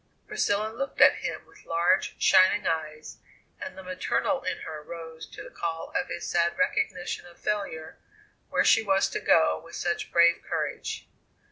Priscilla looked at him with large, shining eyes and the maternal in her rose to the call of his sad recognition of failure where she was to go with such brave courage.